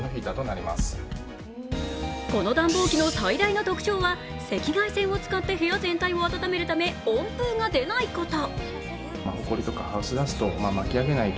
この暖房機の最大の特徴は赤外線を使って部屋全体を温めるため、温風が出ないこと。